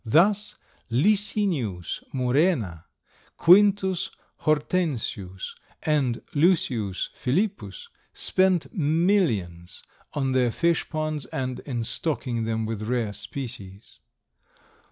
Thus Licinius Murena, Quintus Hortensius and Lucius Philippus, spent millions on their fish ponds and in stocking them with rare species.